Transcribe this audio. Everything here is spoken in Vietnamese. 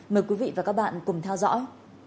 mời quý vị và các bạn cùng theo dõi